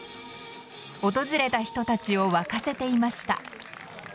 訪れた人たちを沸かせていました。